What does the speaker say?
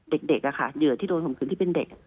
เด็กเหยื่อที่โดนข่มขืนที่เป็นเด็ก